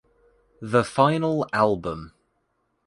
The final album.